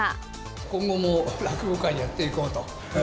今後も落語会をやっていこうと。